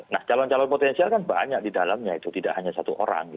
nah calon calon potensial kan banyak di dalamnya itu tidak hanya satu orang